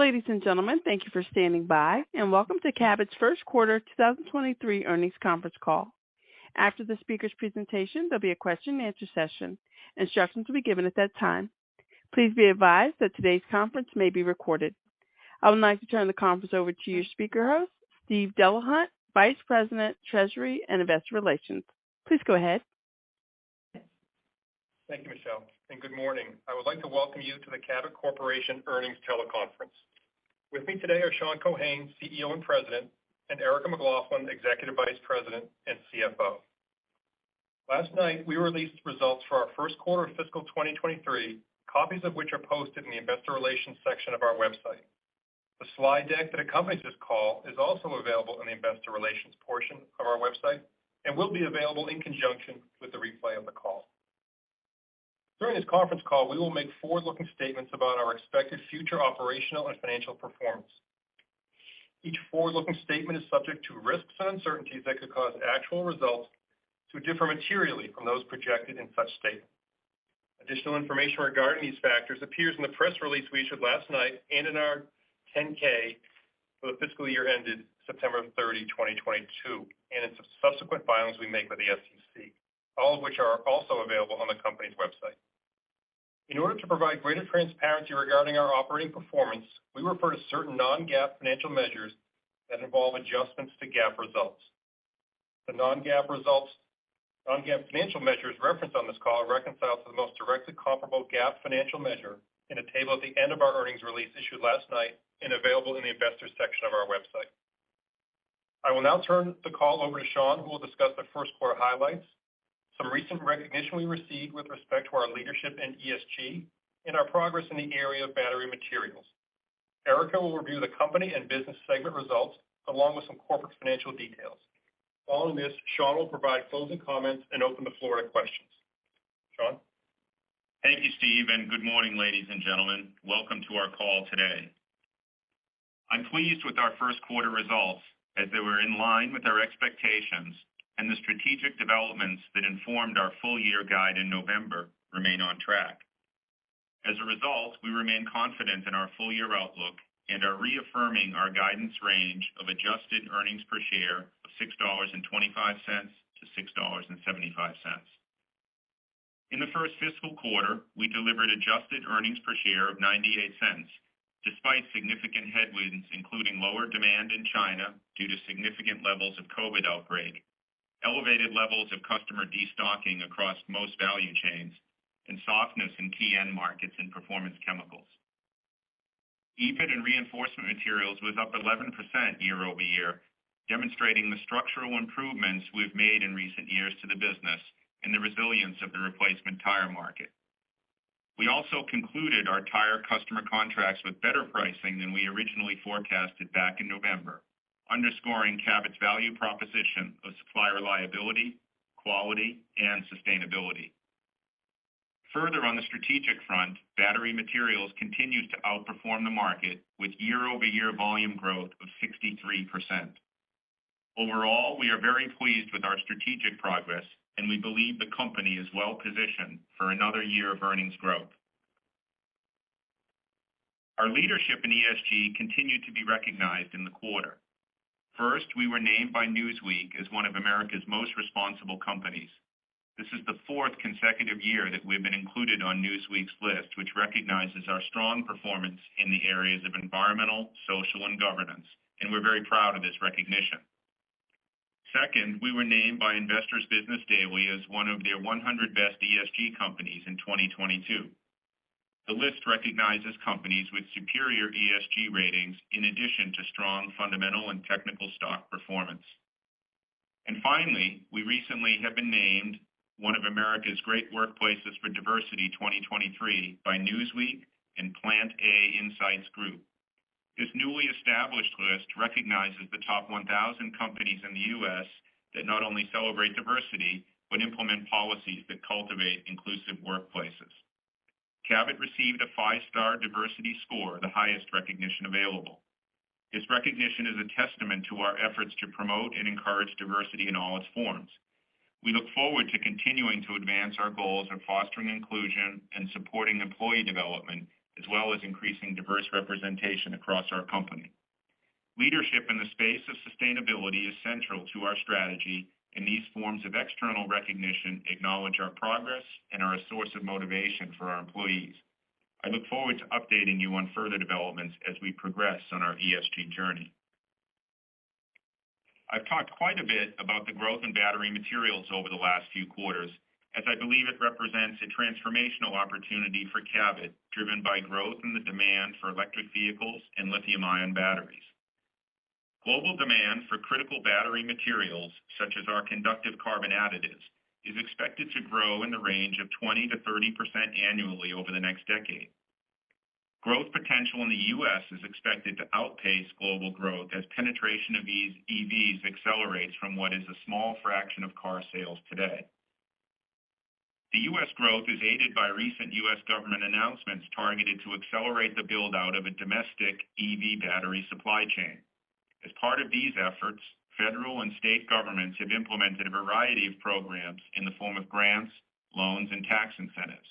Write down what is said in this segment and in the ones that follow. Ladies and gentlemen, thank you for standing by. Welcome to Cabot's First Quarter 2023 Earnings Conference Call. After the speakers' presentation, there'll be a question-and-answer session. Instructions will be given at that time. Please be advised that today's conference may be recorded. I would like to turn the conference over to your speaker host, Steve Delahunt, Vice President, Treasury, and Investor Relations. Please go ahead. Thank you, Michelle. Good morning. I would like to welcome you to the Cabot Corporation Earnings Teleconference. With me today are Sean Keohane, CEO and President, and Erica McLaughlin, Executive Vice President and CFO. Last night, we released results for our first quarter of fiscal 2023, copies of which are posted in the investor relations section of our website. The slide deck that accompanies this call is also available in the investor relations portion of our website and will be available in conjunction with the replay of the call. During this conference call, we will make forward-looking statements about our expected future operational and financial performance. Each forward-looking statement is subject to risks and uncertainties that could cause actual results to differ materially from those projected in such statements. Additional information regarding these factors appears in the press release we issued last night and in our 10-K for the fiscal year ended September 30, 2022, and in subsequent filings we make with the SEC, all of which are also available on the company's website. In order to provide greater transparency regarding our operating performance, we refer to certain non-GAAP financial measures that involve adjustments to GAAP results. The non-GAAP financial measures referenced on this call are reconciled to the most directly comparable GAAP financial measure in a table at the end of our earnings release issued last night and available in the investors section of our website. I will now turn the call over to Sean, who will discuss the first quarter highlights, some recent recognition we received with respect to our leadership in ESG and our progress in the area of battery materials. Erica will review the company and business segment results along with some corporate financial details. Following this, Sean will provide closing comments and open the floor to questions. Sean. Thank you, Steve. Good morning, ladies and gentlemen. Welcome to our call today. I'm pleased with our first quarter results as they were in line with our expectations and the strategic developments that informed our full-year guide in November remain on track. As a result, we remain confident in our full-year outlook and are reaffirming our guidance range of adjusted earnings per share of $6.25-$6.75. In the first fiscal quarter, we delivered adjusted earnings per share of $0.98 despite significant headwinds, including lower demand in China due to significant levels of COVID-19 outbreak, elevated levels of customer destocking across most value chains, and softness in key end markets and Performance Chemicals. EBIT and Reinforcement Materials was up 11% year-over-year, demonstrating the structural improvements we've made in recent years to the business and the resilience of the replacement tire market. We also concluded our tire customer contracts with better pricing than we originally forecasted back in November, underscoring Cabot's value proposition of supply reliability, quality, and sustainability. On the strategic front, battery materials continues to outperform the market with year-over-year volume growth of 63%. We are very pleased with our strategic progress, and we believe the company is well-positioned for another year of earnings growth. Our leadership in ESG continued to be recognized in the quarter. First, we were named by Newsweek as one of America's most responsible companies. This is the fourth consecutive year that we've been included on Newsweek's list, which recognizes our strong performance in the areas of environmental, social, and governance, and we're very proud of this recognition. Second, we were named by Investor's Business Daily as one of their 100 best ESG companies in 2022. The list recognizes companies with superior ESG ratings in addition to strong fundamental and technical stock performance. Finally, we recently have been named one of America's Great Workplaces for Diversity 2023 by Newsweek and Plant-A Insights Group. This newly established list recognizes the top 1,000 companies in the U.S. that not only celebrate diversity but implement policies that cultivate inclusive workplaces. Cabot received a five-star diversity score, the highest recognition available. This recognition is a testament to our efforts to promote and encourage diversity in all its forms. We look forward to continuing to advance our goals of fostering inclusion and supporting employee development, as well as increasing diverse representation across our company. Leadership in the space of sustainability is central to our strategy, and these forms of external recognition acknowledge our progress and are a source of motivation for our employees. I look forward to updating you on further developments as we progress on our ESG journey. I've talked quite a bit about the growth in battery materials over the last few quarters, as I believe it represents a transformational opportunity for Cabot, driven by growth in the demand for electric vehicles and lithium-ion batteries. Global demand for critical battery materials, such as our conductive carbon additives, is expected to grow in the range of 20%-30% annually over the next decade. Growth potential in the U.S. is expected to outpace global growth as penetration of EVs accelerates from what is a small fraction of car sales today. The U.S. growth is aided by recent U.S. government announcements targeted to accelerate the build-out of a domestic EV battery supply chain. As part of these efforts, federal and state governments have implemented a variety of programs in the form of grants, loans, and tax incentives.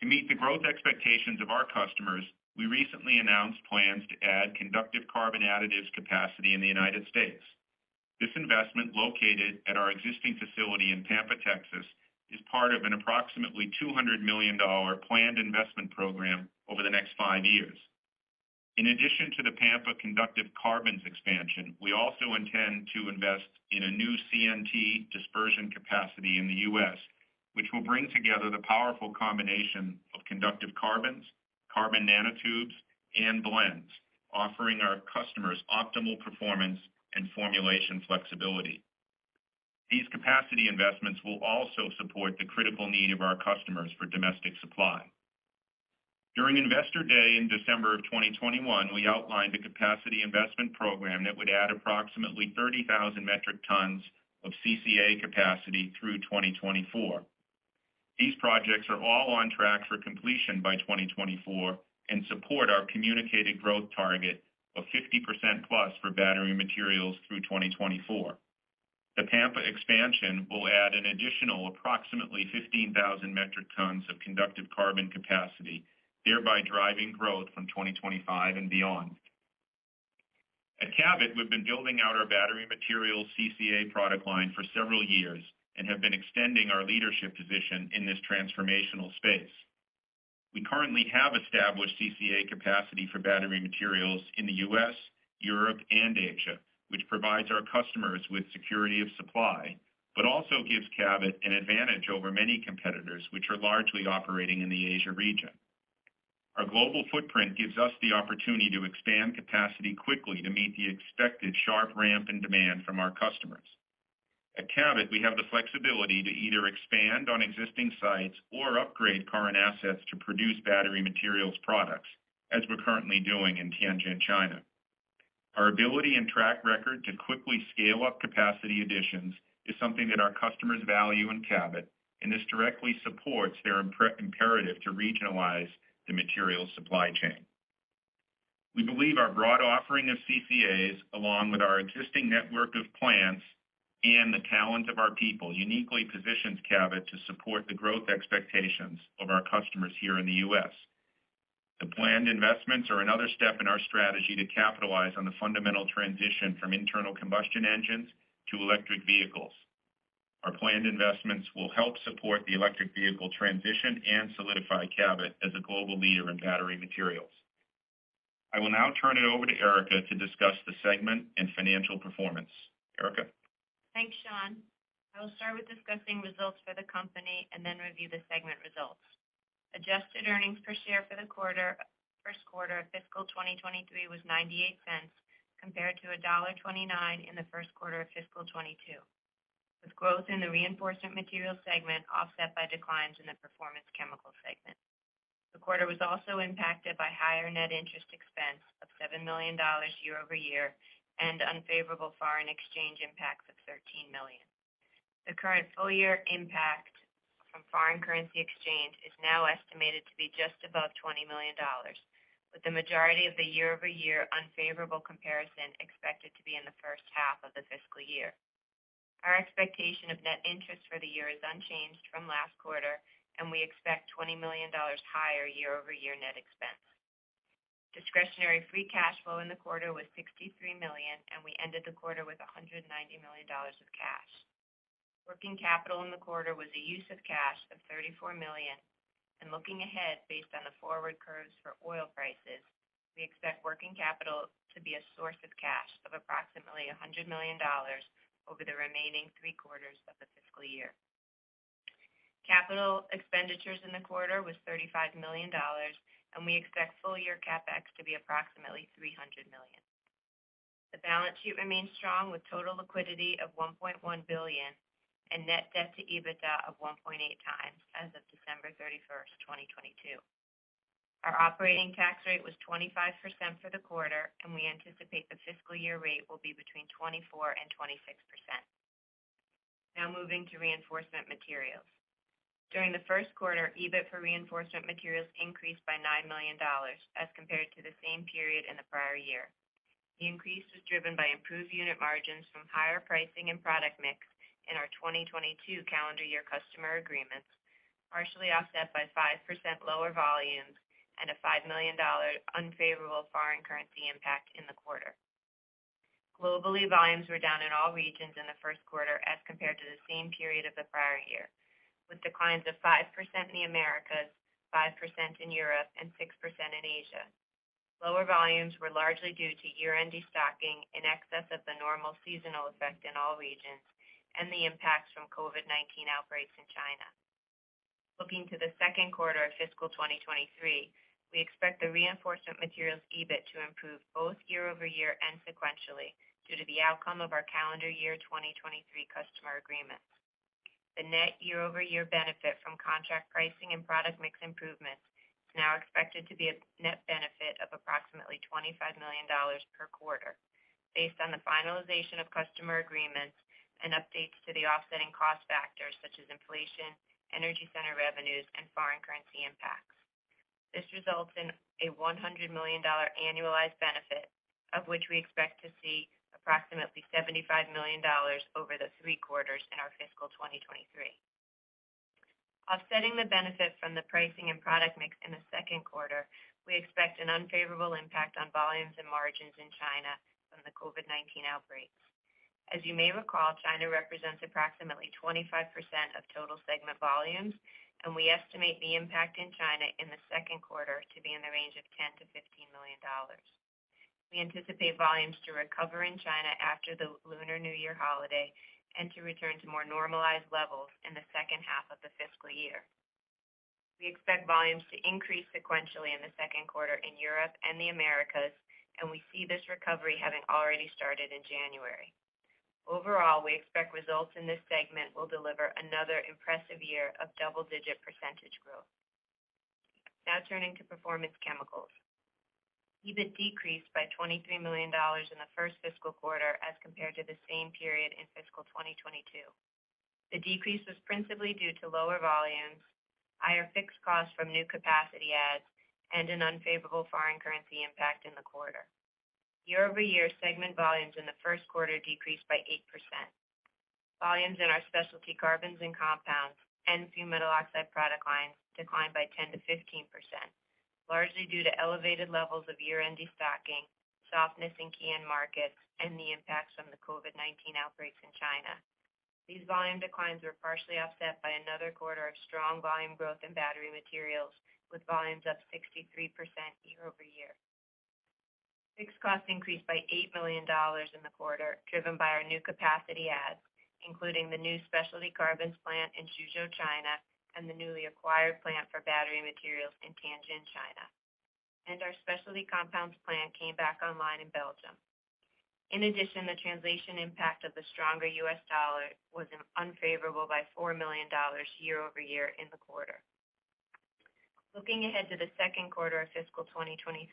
To meet the growth expectations of our customers, we recently announced plans to add conductive carbon additives capacity in the United States. This investment, located at our existing facility in Pampa, Texas, is part of an approximately $200 million planned investment program over the next five years. In addition to the Pampa conductive carbons expansion, we also intend to invest in a new CNT dispersion capacity in the U.S., which will bring together the powerful combination of conductive carbons, carbon nanotubes, and blends, offering our customers optimal performance and formulation flexibility. These capacity investments will also support the critical need of our customers for domestic supply. During Investor Day in December of 2021, we outlined a capacity investment program that would add approximately 30,000 metric tons of CCA capacity through 2024. These projects are all on track for completion by 2024 and support our communicated growth target of 50%+ for battery materials through 2024. The Pampa expansion will add an additional approximately 15,000 metric tons of conductive carbon capacity, thereby driving growth from 2025 and beyond. At Cabot, we've been building out our battery materials CCA product line for several years and have been extending our leadership position in this transformational space. We currently have established CCA capacity for battery materials in the U.S., Europe, and Asia, which provides our customers with security of supply. Also gives Cabot an advantage over many competitors which are largely operating in the Asia region. Our global footprint gives us the opportunity to expand capacity quickly to meet the expected sharp ramp in demand from our customers. At Cabot, we have the flexibility to either expand on existing sites or upgrade current assets to produce battery materials products, as we're currently doing in Tianjin, China. Our ability and track record to quickly scale up capacity additions is something that our customers value in Cabot. This directly supports their imperative to regionalize the materials supply chain. We believe our broad offering of CCAs, along with our existing network of plants and the talent of our people, uniquely positions Cabot to support the growth expectations of our customers here in the U.S. The planned investments are another step in our strategy to capitalize on the fundamental transition from internal combustion engines to electric vehicles. Our planned investments will help support the electric vehicle transition and solidify Cabot as a global leader in battery materials. I will now turn it over to Erica to discuss the segment and financial performance. Erica? Thanks, Sean. I will start with discussing results for the company and then review the segment results. Adjusted earnings per share for the first quarter of fiscal 2023 was $0.98 compared to $1.29 in the first quarter of fiscal 2022, with growth in the Reinforcement Materials segment offset by declines in the Performance Chemicals segment. The quarter was also impacted by higher net interest expense of $7 million year-over-year and unfavorable foreign exchange impacts of $13 million. The current full year impact from foreign currency exchange is now estimated to be just above $20 million, with the majority of the year-over-year unfavorable comparison expected to be in the first half of the fiscal year. Our expectation of net interest for the year is unchanged from last quarter. We expect $20 million higher year-over-year net expense. Discretionary free cash flow in the quarter was $63 million, and we ended the quarter with $190 million of cash. Working capital in the quarter was a use of cash of $34 million. Looking ahead, based on the forward curves for oil prices, we expect working capital to be a source of cash of approximately $100 million over the remaining three quarters of the fiscal year. Capital expenditures in the quarter was $35 million, and we expect full year CapEx to be approximately $300 million. The balance sheet remains strong with total liquidity of $1.1 billion and net debt to EBITDA of 1.8x as of December 31, 2022. Our operating tax rate was 25% for the quarter, and we anticipate the fiscal year rate will be between 24%-26%. Now moving to Reinforcement Materials. During the first quarter, EBIT for Reinforcement Materials increased by $9 million as compared to the same period in the prior year. The increase was driven by improved unit margins from higher pricing and product mix in our 2022 calendar year customer agreements, partially offset by 5% lower volumes and a $5 million unfavorable foreign currency impact in the quarter. Globally, volumes were down in all regions in the first quarter as compared to the same period of the prior year, with declines of 5% in the Americas, 5% in Europe, and 6% in Asia. Lower volumes were largely due to year-end destocking in excess of the normal seasonal effect in all regions and the impacts from COVID-19 outbreaks in China. Looking to the second quarter of fiscal 2023, we expect the Reinforcement Materials EBIT to improve both year-over-year and sequentially due to the outcome of our calendar year 2023 customer agreements. The net year-over-year benefit from contract pricing and product mix improvements is now expected to be a net benefit of approximately $25 million per quarter based on the finalization of customer agreements and updates to the offsetting cost factors such as inflation, energy center revenues, and foreign currency impacts. This results in a $100 million annualized benefit, of which we expect to see approximately $75 million over the three quarters in our fiscal 2023. Offsetting the benefit from the pricing and product mix in the second quarter, we expect an unfavorable impact on volumes and margins in China from the COVID-19 outbreaks. As you may recall, China represents approximately 25% of total segment volumes. We estimate the impact in China in the second quarter to be in the range of $10 million-$15 million. We anticipate volumes to recover in China after the Lunar New Year holiday and to return to more normalized levels in the second half of the fiscal year. We expect volumes to increase sequentially in the second quarter in Europe and the Americas. We see this recovery having already started in January. Overall, we expect results in this segment will deliver another impressive year of double-digit percentage growth. Turning to Performance Chemicals. EBIT decreased by $23 million in the first fiscal quarter as compared to the same period in fiscal 2022. The decrease was principally due to lower volumes, higher fixed costs from new capacity adds, and an unfavorable foreign currency impact in the quarter. Year-over-year segment volumes in the first quarter decreased by 8%. Volumes in our specialty carbons and specialty compounds and fumed metal oxides product lines declined by 10%-15%, largely due to elevated levels of year-end destocking, softness in key end markets, and the impacts from the COVID-19 outbreaks in China. These volume declines were partially offset by another quarter of strong volume growth in battery materials, with volumes up 63% year-over-year. Fixed costs increased by $8 million in the quarter, driven by our new capacity adds, including the new specialty carbons plant in Suzhou, China, and the newly acquired plant for battery materials in Tianjin, China. Our specialty compounds plant came back online in Belgium. The translation impact of the stronger U.S. dollar was unfavorable by $4 million year-over-year in the quarter. Looking ahead to the second quarter of fiscal 2023,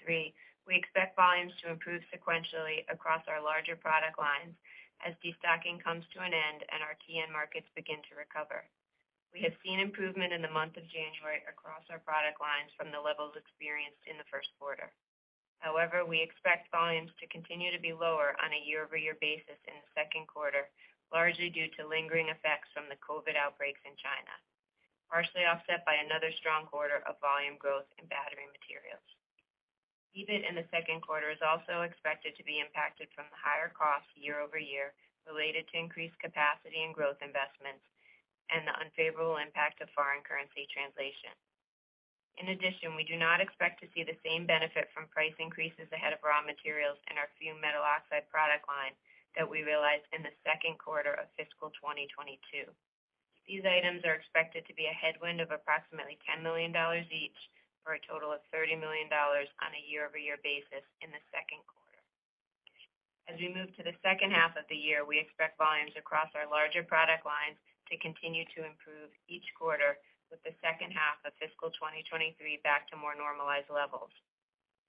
we expect volumes to improve sequentially across our larger product lines as destocking comes to an end and our key end markets begin to recover. We have seen improvement in the month of January across our product lines from the levels experienced in the first quarter. We expect volumes to continue to be lower on a year-over-year basis in the second quarter, largely due to lingering effects from the COVID-19 outbreaks in China, partially offset by another strong quarter of volume growth in battery materials. EBIT in the second quarter is also expected to be impacted from the higher costs year-over-year related to increased capacity and growth investments and the unfavorable impact of foreign currency translation. In addition, we do not expect to see the same benefit from price increases ahead of raw materials in our fumed metal oxides product line that we realized in the second quarter of fiscal 2022. These items are expected to be a headwind of approximately $10 million each, for a total of $30 million on a year-over-year basis in the second quarter. As we move to the second half of the year, we expect volumes across our larger product lines to continue to improve each quarter with the second half of fiscal 2023 back to more normalized levels.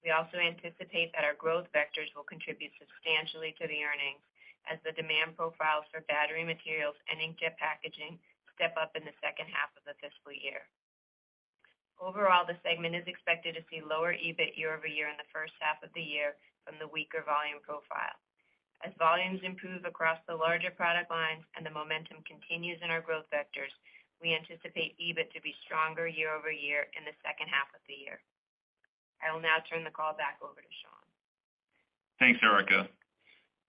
We also anticipate that our growth vectors will contribute substantially to the earnings as the demand profiles for battery materials and inkjet packaging step up in the second half of the fiscal year. Overall, the segment is expected to see lower EBIT year-over-year in the first half of the year from the weaker volume profile. As volumes improve across the larger product lines and the momentum continues in our growth vectors, we anticipate EBIT to be stronger year-over-year in the second half of the year. I will now turn the call back over to Sean. Thanks, Erica.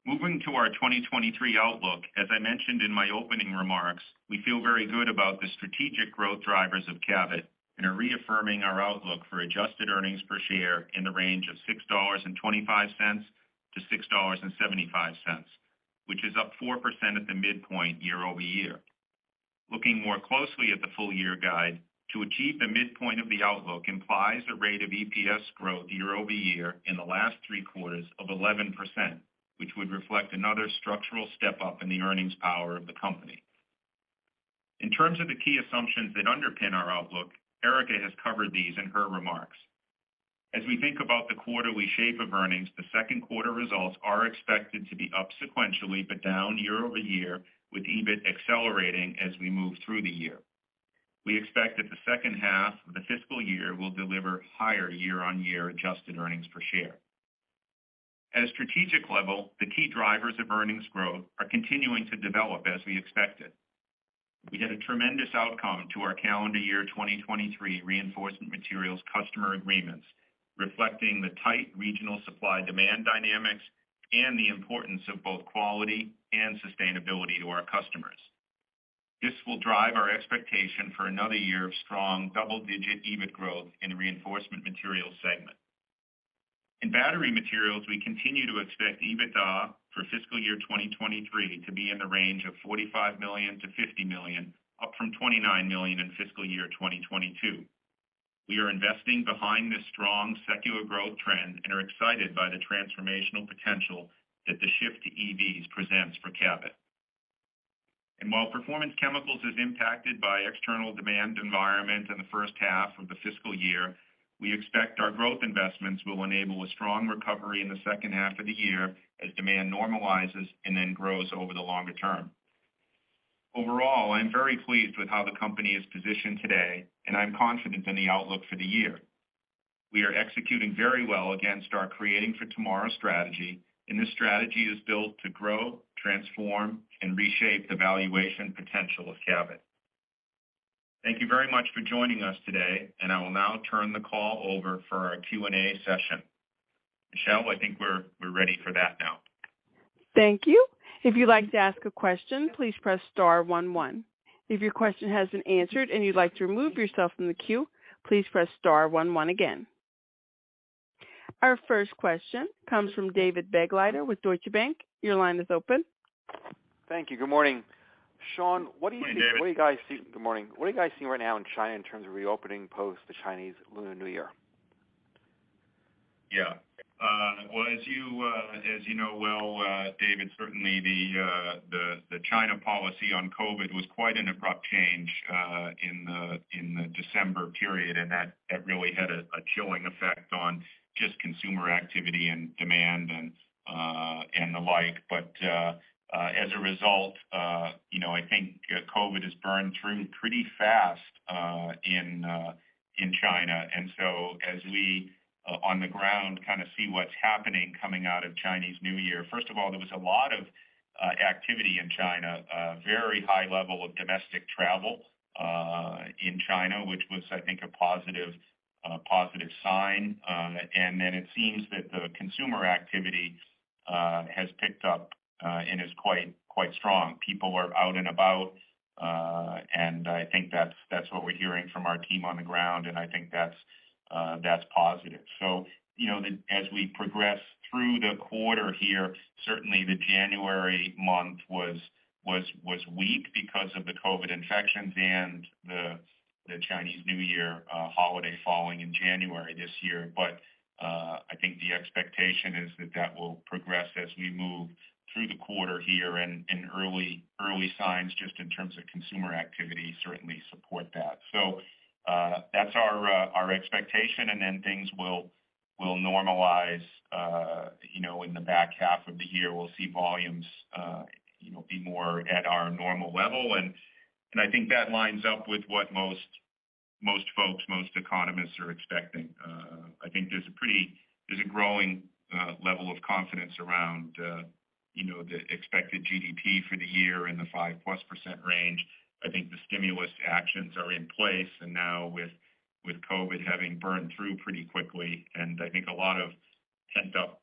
Moving to our 2023 outlook, as I mentioned in my opening remarks, we feel very good about the strategic growth drivers of Cabot and are reaffirming our outlook for adjusted EPS in the range of $6.25-$6.75, which is up 4% at the midpoint year-over-year. Looking more closely at the full year guide, to achieve the midpoint of the outlook implies a rate of EPS growth year-over-year in the last three quarters of 11%, which would reflect another structural step-up in the earnings power of the company. In terms of the key assumptions that underpin our outlook, Erica has covered these in her remarks. As we think about the quarterly shape of earnings, the second quarter results are expected to be up sequentially but down year-over-year, with EBIT accelerating as we move through the year. We expect that the second half of the fiscal year will deliver higher year-on-year adjusted earnings per share. At a strategic level, the key drivers of earnings growth are continuing to develop as we expected. We had a tremendous outcome to our calendar year 2023 Reinforcement Materials customer agreements, reflecting the tight regional supply-demand dynamics and the importance of both quality and sustainability to our customers. This will drive our expectation for another year of strong double-digit EBIT growth in the Reinforcement Materials segment. In battery materials, we continue to expect EBITDA for fiscal year 2023 to be in the range of $45 million-$50 million, up from $29 million in fiscal year 2022. We are investing behind this strong secular growth trend and are excited by the transformational potential that the shift to EVs presents for Cabot. While Performance Chemicals is impacted by external demand environment in the first half of the fiscal year, we expect our growth investments will enable a strong recovery in the second half of the year as demand normalizes and then grows over the longer term. Overall, I'm very pleased with how the company is positioned today, and I'm confident in the outlook for the year. We are executing very well against our Creating for Tomorrow strategy, and this strategy is built to grow, transform, and reshape the valuation potential of Cabot. Thank you very much for joining us today. I will now turn the call over for our Q&A session. Michelle, I think we're ready for that now. Thank you. If you'd like to ask a question, please press star one one. If your question has been answered and you'd like to remove yourself from the queue, please press star one one again. Our first question comes from David Begleiter with Deutsche Bank. Your line is open. Thank you. Good morning. Sean. Good morning, David. Good morning. What are you guys seeing right now in China in terms of reopening post the Chinese Lunar New Year? Yeah. Well, as you know well, David, certainly the China policy on COVID-19 was quite an abrupt change in the December period, that really had a chilling effect on just consumer activity and demand and the like. As a result, you know, I think COVID-19 has burned through pretty fast in China. As we on the ground kinda see what's happening coming out of Lunar New Year, first of all, there was a lot of activity in China, a very high level of domestic travel in China, which was, I think, a positive sign. It seems that the consumer activity has picked up and is quite strong. People are out and about, and I think that's what we're hearing from our team on the ground, and I think that's positive. You know, as we progress through the quarter here, certainly the January month was weak because of the COVID-19 infections and the Chinese New Year holiday falling in January this year. I think the expectation is that that will progress as we move through the quarter here and early signs just in terms of consumer activity certainly support that. That's our expectation, and then things will normalize, you know, in the back half of the year. We'll see volumes, you know, be more at our normal level. I think that lines up with what most folks, most economists are expecting. I think there's a growing, you know, level of confidence around the expected GDP for the year in the 5+% range. I think the stimulus actions are in place, and now with COVID having burned through pretty quickly, and I think a lot of pent-up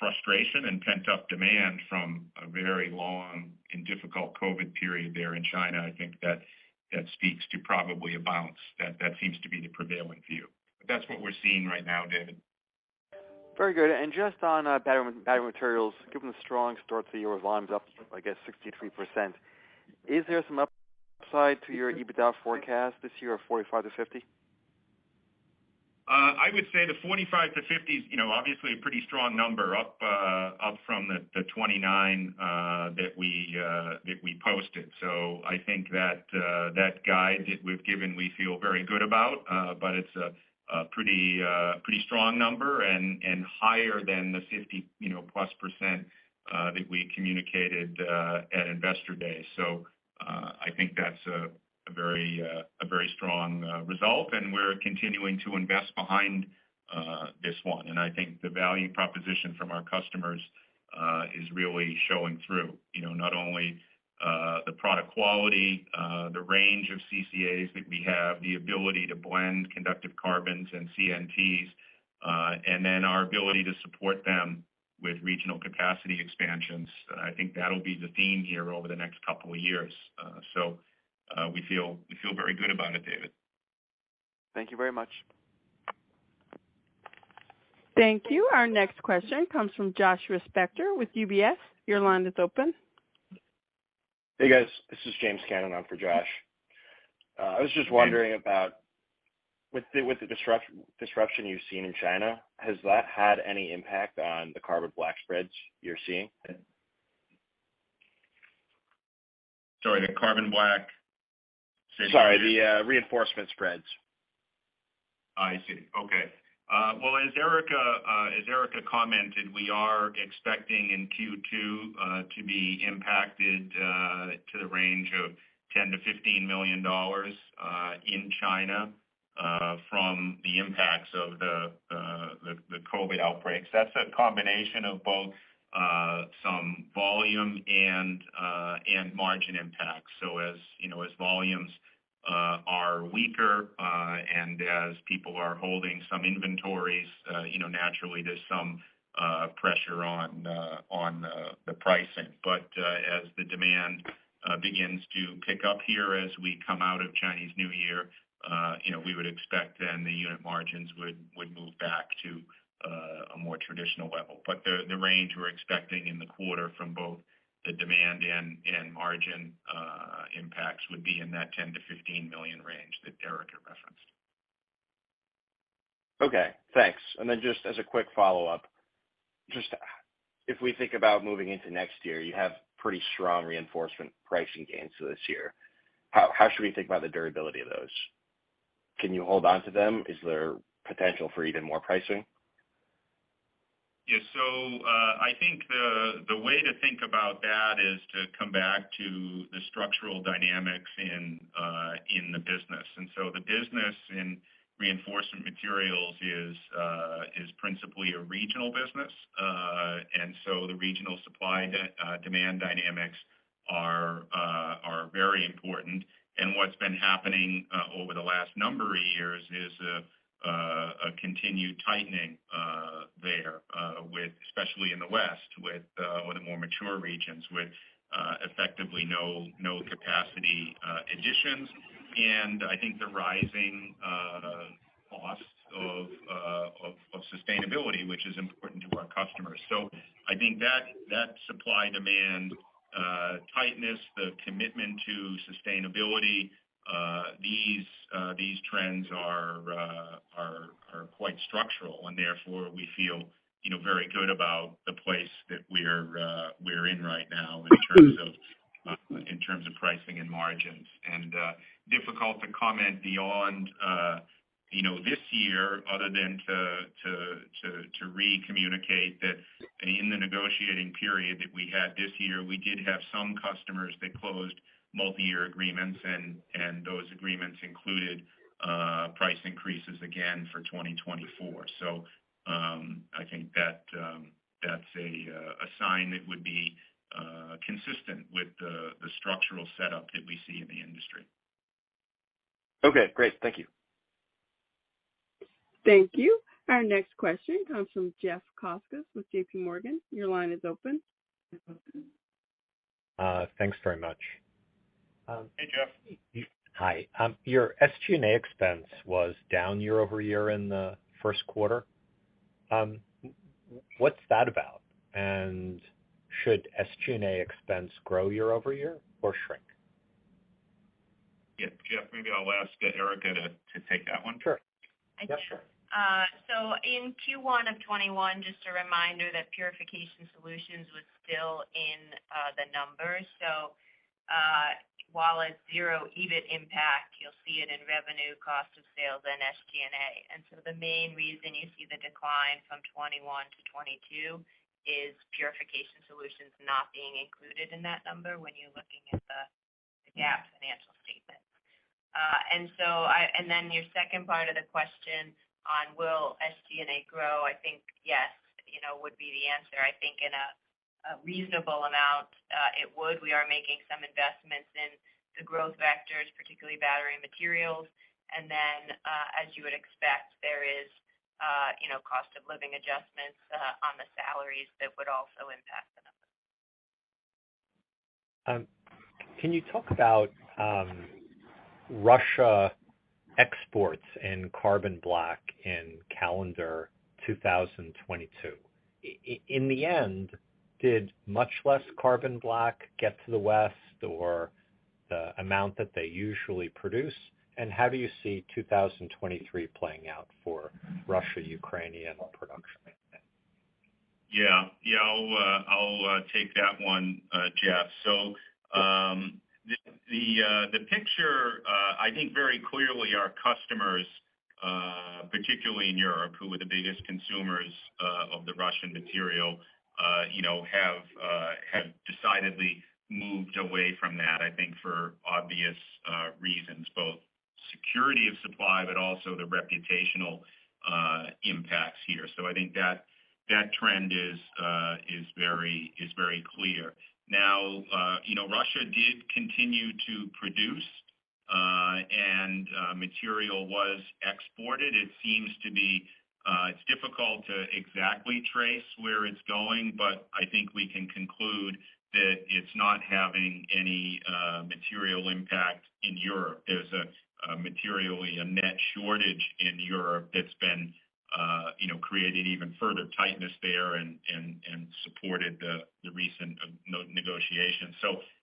frustration and pent-up demand from a very long and difficult COVID period there in China, I think that speaks to probably a balance. That seems to be the prevailing view. That's what we're seeing right now, David. Very good. Just on battery materials, given the strong start to the year, volume's up, I guess, 63%. Is there some upside to your EBITDA forecast this year of $45 million-$50 million? I would say the 45-50 is, you know, obviously a pretty strong number, up from the 29 that we posted. I think that guide that we've given, we feel very good about. But it's a pretty strong number and higher than the 50+% that we communicated at Investor Day. I think that's a very strong result, and we're continuing to invest behind this one. I think the value proposition from our customers is really showing through. You know, not only the product quality, the range of CCAs that we have, the ability to blend conductive carbons and CNTs, and then our ability to support them with regional capacity expansions. I think that'll be the theme here over the next couple of years. We feel very good about it, David. Thank you very much. Thank you. Our next question comes from Joshua Spector with UBS. Your line is open. Hey, guys. This is James Cannon on for Josh. I was just wondering about with the disruption you've seen in China, has that had any impact on the carbon black spreads you're seeing? Sorry, the carbon black spreads you're seeing? Sorry, the reinforcement spreads. I see. Okay. Well, as Erica commented, we are expecting in Q2 to be impacted to the range of $10 million-$15 million in China from the impacts of the COVID outbreaks. That's a combination of both some volume and margin impact. As, you know, as volumes are weaker, and as people are holding some inventories, you know, naturally there's some pressure on the pricing. As the demand begins to pick up here as we come out of Chinese New Year, you know, we would expect then the unit margins move back to a more traditional level. The range we're expecting in the quarter from both the demand and margin impacts would be in that $10 million-$15 million range that Erica referenced. Okay, thanks. Just as a quick follow-up, just if we think about moving into next year, you have pretty strong Reinforcement pricing gains this year. How should we think about the durability of those? Can you hold on to them? Is there potential for even more pricing? Yeah. I think the way to think about that is to come back to the structural dynamics in the business. The business in Reinforcement Materials is principally a regional business. The regional supply-demand dynamics are very important. What's been happening over the last number of years is a continued tightening there with... especially in the West with or the more mature regions with effectively no capacity additions. I think the rising cost of sustainability, which is important to our customers. I think that supply-demand tightness, the commitment to sustainability, these trends are quite structural. Therefore, we feel, you know, very good about the place that we're in right now in terms of pricing and margins. Difficult to comment beyond, you know, this year other than to re-communicate that in the negotiating period that we had this year, we did have some customers that closed multi-year agreements and those agreements included price increases again for 2024. I think that that's a sign that would be consistent with the structural setup that we see in the industry. Okay, great. Thank you. Thank you. Our next question comes from Jeff Zekauskas with JPMorgan. Your line is open. Thanks very much. Hey, Jeff. Hi. Your SG&A expense was down year-over-year in the first quarter. What's that about? Should SG&A expense grow year-over-year or shrink? Yeah. Jeff, maybe I'll ask Erica to take that one. Sure. I- Yeah, sure. In Q1 of 2021, just a reminder that Purification Solutions was still in the numbers. While it's zero EBIT impact, you'll see it in revenue, cost of sales, and SG&A. The main reason you see the decline from 2021 to 2022 is Purification Solutions not being included in that number when you're looking at the GAAP financial statements. Your second part of the question on will SG&A grow, I think yes, you know, would be the answer. I think in a reasonable amount, it would. We are making some investments in the growth vectors, particularly battery materials. As you would expect, there is, you know, cost of living adjustments on the salaries that would also impact the numbers. Can you talk about Russia exports in carbon black in calendar 2022? In the end, did much less carbon black get to the West or the amount that they usually produce? How do you see 2023 playing out for Russia-Ukrainian production? Yeah. Yeah. I'll take that one, Jeff. The picture, I think very clearly our customers, particularly in Europe, who were the biggest consumers of the Russian material, you know, have decidedly moved away from that, I think for obvious reasons, both security of supply, but also the reputational impacts here. I think that trend is very, very clear. You know, Russia did continue to produce, and material was exported. It seems to be, it's difficult to exactly trace where it's going, but I think we can conclude that it's not having any material impact in Europe. There's a materially a net shortage in Europe that's been, you know, created even further tightness there and supported the recent negotiation.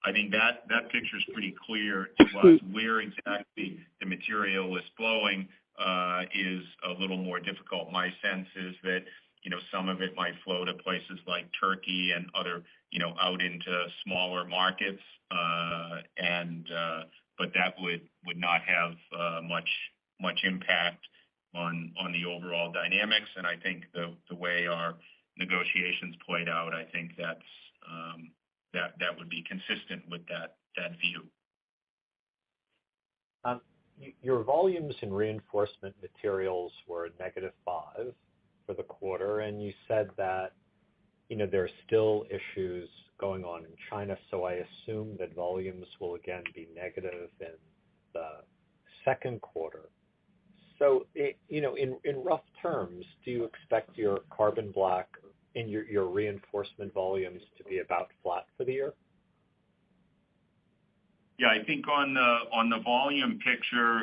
I think that picture is pretty clear to us. Where exactly the material is flowing, is a little more difficult. My sense is that, you know, some of it might flow to places like Turkey and other, you know, out into smaller markets. That would not have much impact on the overall dynamics. I think the way our negotiations played out, I think that's, that would be consistent with that view. Your volumes in Reinforcement Materials were -5 for the quarter, and you said that, you know, there are still issues going on in China. I assume that volumes will again be negative in the 2Q. You know, in rough terms, do you expect your carbon black and your reinforcement volumes to be about flat for the year? Yeah. I think on the volume picture,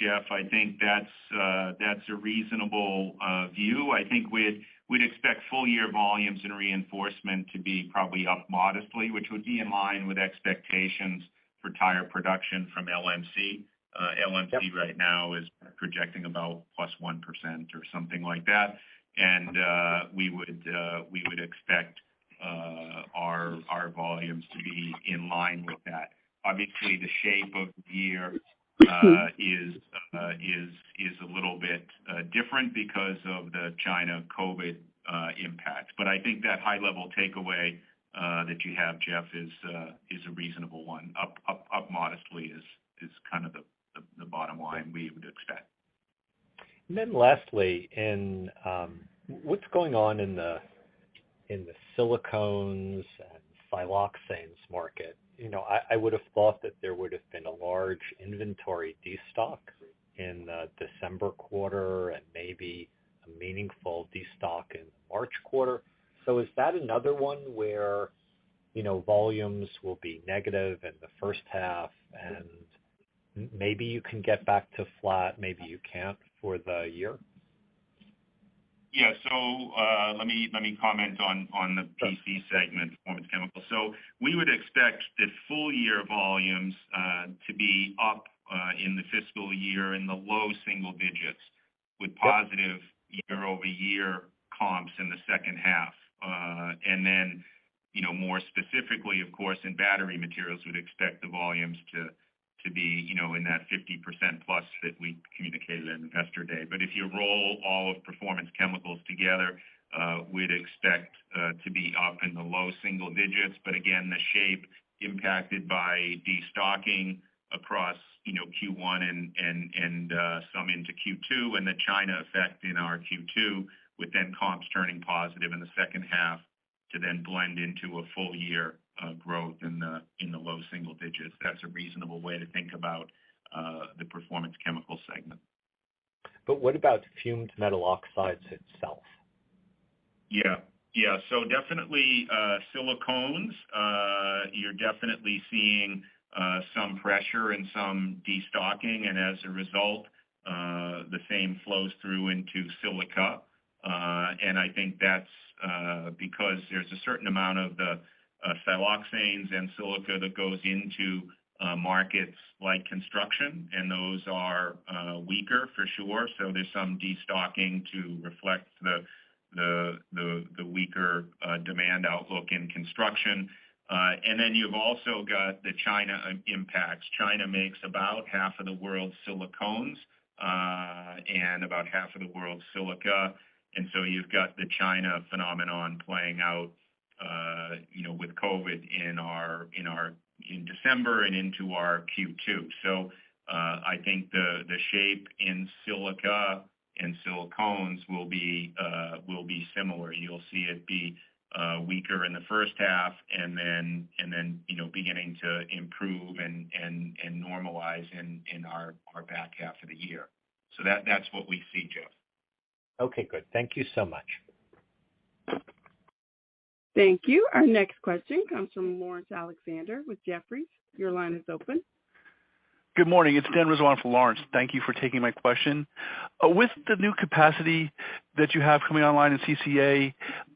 Jeff, I think that's a reasonable view. I think we'd expect full year volumes and reinforcement to be probably up modestly, which would be in line with expectations for tire production from LMC. LMC right now is projecting about +1% or something like that. We would expect volumes to be in line with that. Obviously, the shape of the year is a little bit different because of the China COVID-19 impact. I think that high-level takeaway that you have, Jeff, is a reasonable one. Up modestly is kind of the bottom line we would expect. Lastly, in... What's going on in the silicones and siloxanes market? You know, I would have thought that there would have been a large inventory destock in the December quarter and maybe a meaningful destock in the March quarter. Is that another one where, you know, volumes will be negative in the first half, and maybe you can get back to flat, maybe you can't for the year? Let me comment on the PC segment Performance Chemicals. We would expect the full-year volumes to be up in the fiscal year in the low single digits with positive year-over-year comps in the second half. You know, more specifically, of course, in battery materials, we'd expect the volumes to be, you know, in that 50%+ that we communicated in Investor Day. If you roll all of Performance Chemicals together, we'd expect to be up in the low single digits. Again, the shape impacted by destocking across, you know, Q1 and some into Q2, and the China effect in our Q2, comps turning positive in the second half to blend into a full year of growth in the low single digits. That's a reasonable way to think about, the Performance Chemicals segment. What about fumed metal oxides itself? Definitely, silicones, you're definitely seeing some pressure and some destocking, and as a result, the same flows through into silica. And I think that's because there's a certain amount of the siloxanes and silica that goes into markets like construction, and those are weaker for sure. There's some destocking to reflect the weaker demand outlook in construction. And then you've also got the China impact. China makes about half of the world's silicones, and about half of the world's silica. You've got the China phenomenon playing out, you know, with COVID-19 in our December and into our Q2. I think the shape in silica and silicones will be similar. You'll see it be weaker in the first half and then, you know, beginning to improve and normalize in our back half of the year. That's what we see, Jeff. Okay, good. Thank you so much. Thank you. Our next question comes from Laurence Alexander with Jefferies. Your line is open. Good morning. It's Dan Rizzo on for Laurence. Thank you for taking my question. With the new capacity that you have coming online in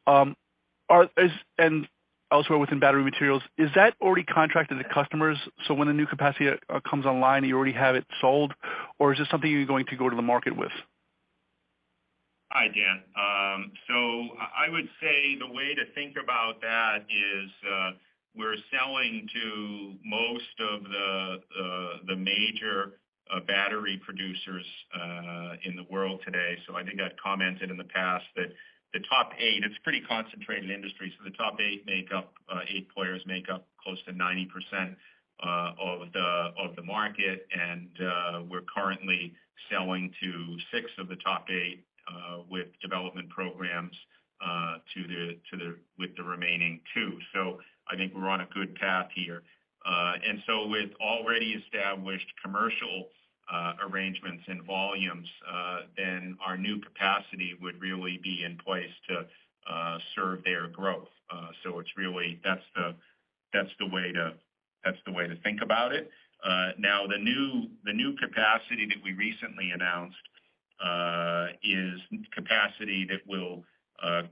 CCA, and elsewhere within battery materials, is that already contracted to customers? So when the new capacity comes online, you already have it sold? Or is this something you're going to go to the market with? Hi, Dan. I would say the way to think about that is we're selling to most of the major battery producers in the world today. I think I've commented in the past that the top eight, it's a pretty concentrated industry, so the top eight make up eight players make up close to 90% of the market. We're currently selling to six of the top eight with development programs with the remaining two. I think we're on a good path here. With already established commercial arrangements and volumes, then our new capacity would really be in place to serve their growth. That's the way to think about it. Now the new capacity that we recently announced is capacity that will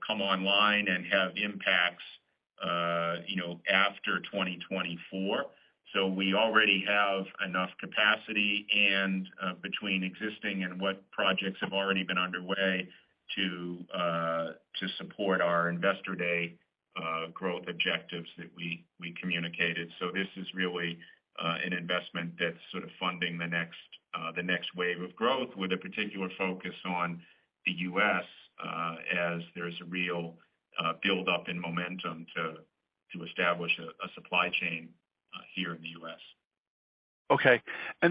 come online and have impacts, you know, after 2024. We already have enough capacity and between existing and what projects have already been underway to support our Investor Day growth objectives that we communicated. This is really an investment that's sort of funding the next the next wave of growth with a particular focus on the U.S. as there's a real build-up in momentum to establish a supply chain here in the U.S. Okay. I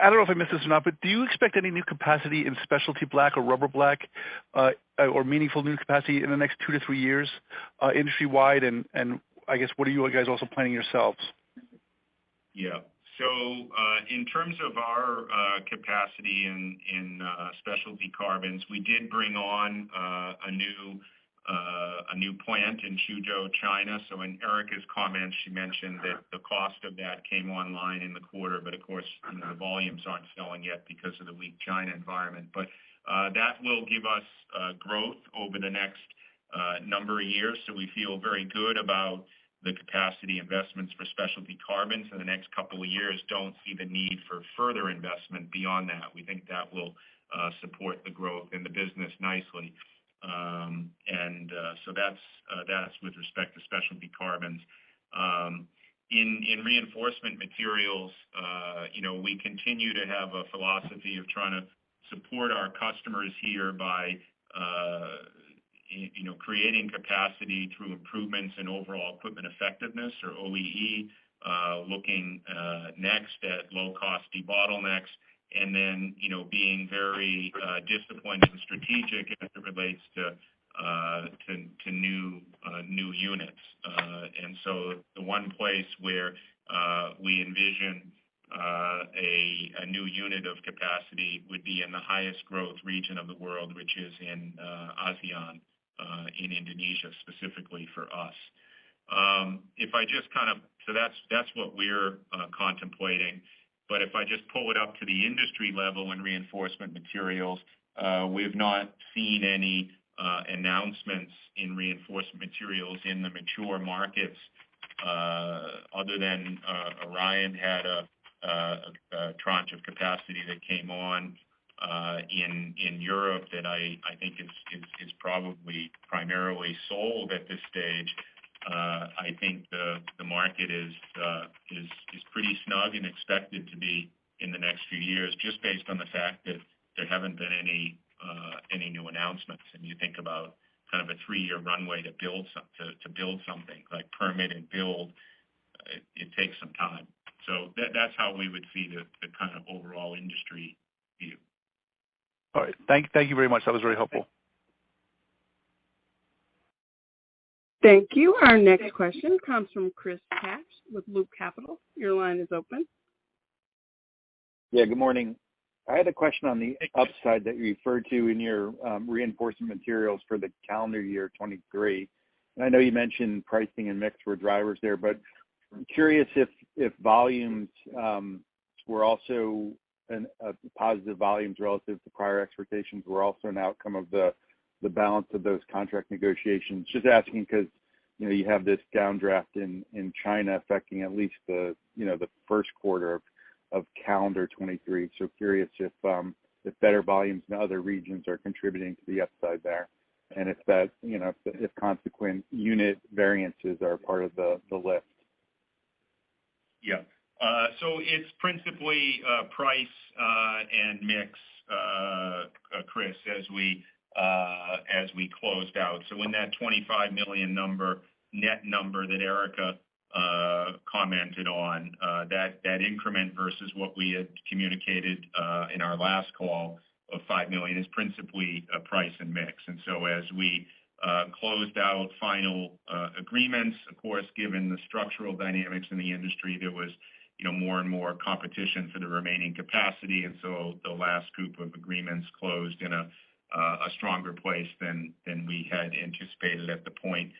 don't know if I missed this or not, but do you expect any new capacity in specialty black or rubber black, or meaningful new capacity in the next two to three years, industry-wide? I guess, what are you guys also planning yourselves? In terms of our capacity in specialty carbons, we did bring on a new plant in Suzhou, China. In Erica's comments, she mentioned that the cost of that came online in the quarter. Of course, the volumes aren't filling yet because of the weak China environment. That will give us growth over the next number of years. We feel very good about the capacity investments for specialty carbons in the next couple of years. Don't see the need for further investment beyond that. We think that will support the growth in the business nicely. That's with respect to specialty carbons. In Reinforcement Materials, you know, we continue to have a philosophy of trying to support our customers here by, you know, creating capacity through improvements in overall equipment effectiveness or OEE, looking next at low-cost debottlenecks, then, you know, being very disciplined and strategic as it relates to new units. The one place where we envision a new unit of capacity would be in the highest growth region of the world, which is in ASEAN, in Indonesia, specifically for us. If I just. That's what we're contemplating. If I just pull it up to the industry level in Reinforcement Materials, we've not seen any announcements in Reinforcement Materials in the mature markets, other than Orion had a tranche of capacity that came on in Europe that I think is probably primarily sold at this stage. I think the market is pretty snug and expected to be in the next few years just based on the fact that there haven't been any new announcements. You think about kind of a three-year runway to build something like permit and build, it takes some time. That's how we would see the kind of overall industry view. All right. Thank you very much. That was very helpful. Thank you. Thank you. Our next question comes from Chris Kapsch with Loop Capital. Your line is open. Yeah, good morning. I had a question on the upside that you referred to in your Reinforcement Materials for the calendar year 2023. I know you mentioned pricing and mix were drivers there, but I'm curious if volumes were also positive volumes relative to prior expectations were also an outcome of the balance of those contract negotiations. Just asking because, you know, you have this downdraft in China affecting at least the, you know, the first quarter of calendar 2023. Curious if better volumes in other regions are contributing to the upside there. If that, you know, if consequent unit variances are part of the lift. Yeah. So it's principally price and mix, Chris, as we closed out. In that $25 million number, net number that Erica commented on, that increment versus what we had communicated in our last call of $5 million is principally price and mix. As we closed out final agreements, of course, given the structural dynamics in the industry, there was, you know, more and more competition for the remaining capacity. The last group of agreements closed in a stronger place than we had anticipated at the point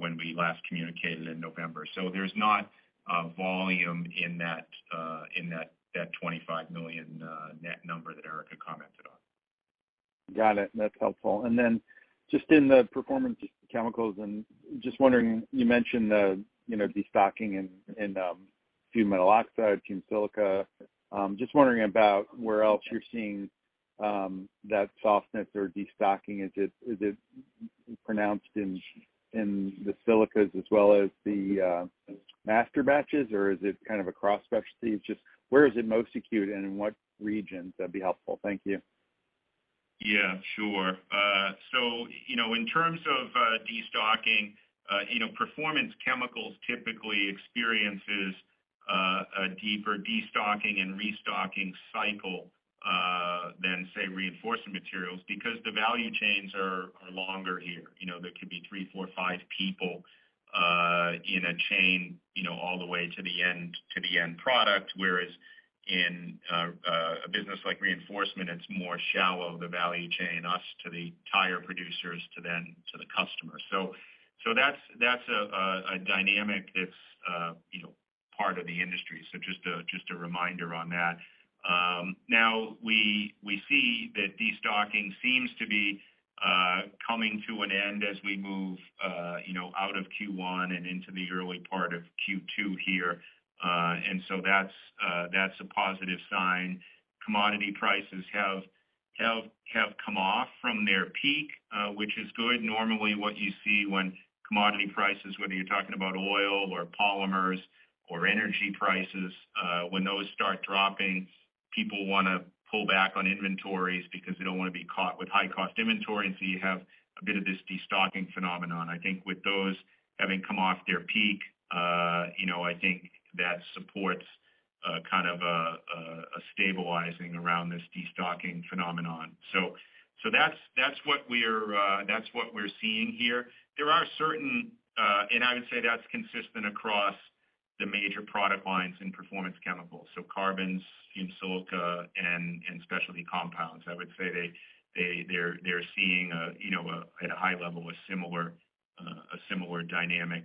when we last communicated in November. There's not volume in that $25 million net number that Erica commented on. Got it. That's helpful. Then just in the Performance Chemicals and just wondering, you mentioned the, you know, destocking in fumed metal oxides, fumed silica. Just wondering about where else you're seeing that softness or destocking. Is it, is it pronounced in the silicas as well as the master batches, or is it kind of across specialty? Just where is it most acute and in what regions? That'd be helpful. Thank you. Yeah, sure. You know, in terms of destocking, you know, Performance Chemicals typically experiences a deeper destocking and restocking cycle than, say, Reinforcement Materials because the value chains are longer here. You know, there could be three, four, five people in a chain, you know, all the way to the end, to the end product. Whereas in a business like Reinforcement, it's more shallow, the value chain, us to the tire producers to then to the customer. That's, that's a dynamic that's, you know, part of the industry. Just a reminder on that. Now we see that destocking seems to be coming to an end as we move, you know, out of Q1 and into the early part of Q2 here. That's a positive sign. Commodity prices have come off from their peak, which is good. Normally, what you see when commodity prices, whether you're talking about oil or polymers or energy prices, when those start dropping, people wanna pull back on inventories because they don't wanna be caught with high cost inventory. You have a bit of this destocking phenomenon. I think with those having come off their peak, you know, I think that supports kind of a stabilizing around this destocking phenomenon. That's what we're seeing here. There are certain... I would say that's consistent across the major product lines in Performance Chemicals. So carbons, fumed silica and specialty compounds. I would say they're seeing, you know, at a high level, a similar dynamic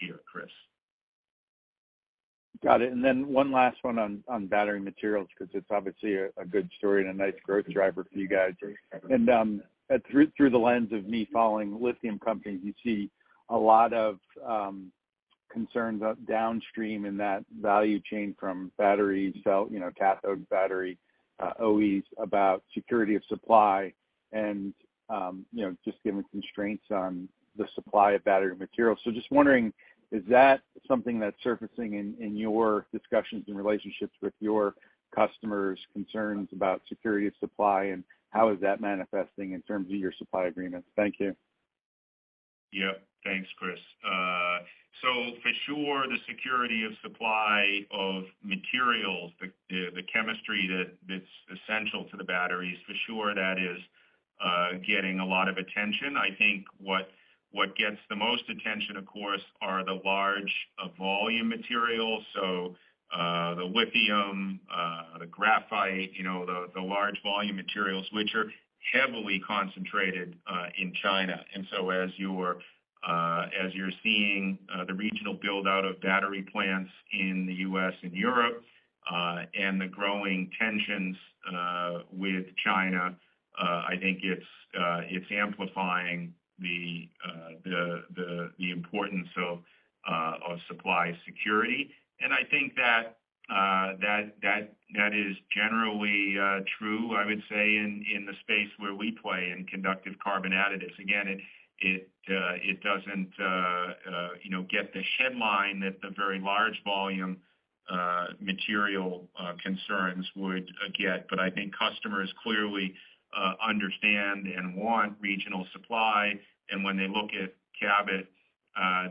here, Chris. Got it. Then one last one on battery materials because it's obviously a good story and a nice growth driver for you guys. Through the lens of me following lithium companies, you see a lot of concerns up downstream in that value chain from battery cell, you know, cathode battery OEs about security of supply and, you know, just given constraints on the supply of battery materials. Just wondering, is that something that's surfacing in your discussions and relationships with your customers, concerns about security of supply, and how is that manifesting in terms of your supply agreements? Thank you. Yeah. Thanks, Chris. For sure, the security of supply of materials, the chemistry that's essential to the batteries, for sure, that is getting a lot of attention. I think what gets the most attention, of course, are the large volume materials. The lithium, the graphite, you know, the large volume materials, which are heavily concentrated in China. As you're seeing, the regional build-out of battery plants in the U.S. and Europe, and the growing tensions with China, I think it's amplifying the importance of supply security. I think that is generally true, I would say, in the space where we play in conductive carbon additives. Again, it doesn't, you know, get the headline that the very large volume, material, concerns would get. I think customers clearly understand and want regional supply. When they look at Cabot,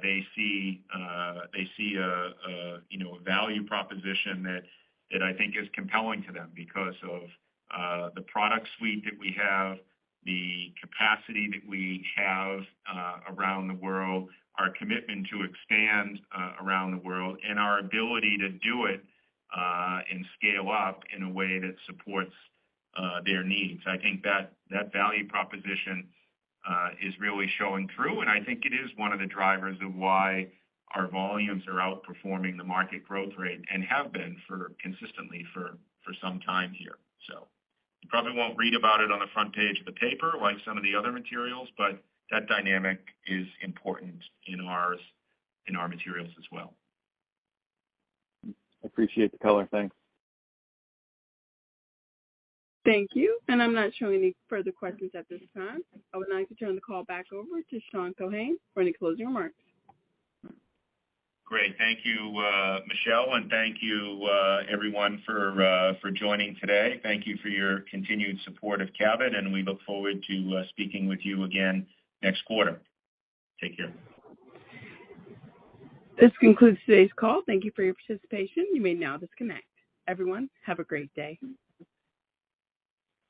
they see a, you know, a value proposition that I think is compelling to them because of the product suite that we have, the capacity that we have, around the world, our commitment to expand, around the world, and our ability to do it and scale up in a way that supports their needs. I think that value proposition is really showing through, and I think it is one of the drivers of why our volumes are outperforming the market growth rate and have been for consistently for some time here. You probably won't read about it on the front page of the paper like some of the other materials, but that dynamic is important in ours, in our materials as well. I appreciate the color. Thanks. Thank you. I'm not showing any further questions at this time. I would now like to turn the call back over to Sean Keohane for any closing remarks. Great. Thank you, Michelle, and thank you, everyone for joining today. Thank you for your continued support of Cabot, and we look forward to speaking with you again next quarter. Take care. This concludes today's call. Thank you for your participation. You may now disconnect. Everyone, have a great day.